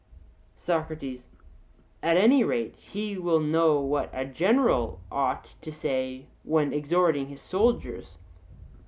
SOCRATES: At any rate he will know what a general ought to say when exhorting his soldiers?